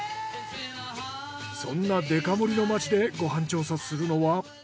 そんなデカ盛りの町でご飯調査するのは。